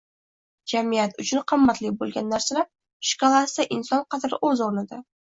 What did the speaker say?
jamiyat uchun qimmatli bo‘lgan narsalar shkalasida inson qadri o‘z o‘rnida